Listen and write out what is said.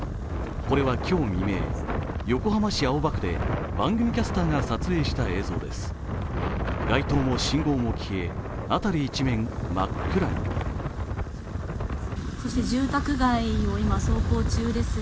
これは今日未明、横浜市青葉区で番組キャスターが撮影した映像です。